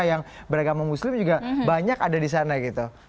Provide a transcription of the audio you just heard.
yang beragama muslim juga banyak ada di sana gitu